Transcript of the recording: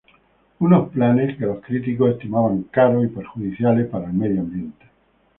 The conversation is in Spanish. Unos planes que los críticos estimaban caros y perjudiciales para el medio ambiente.